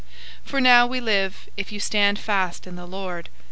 003:008 For now we live, if you stand fast in the Lord.